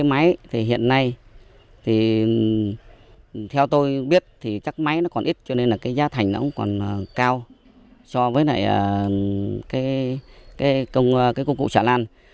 cây máy hiện nay theo tôi biết cây máy còn ít cho nên giá thành còn cao so với công cụ sản lan